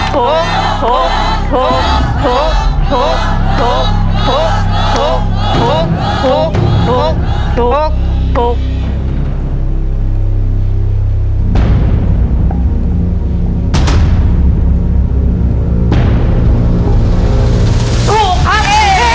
ถูกครับ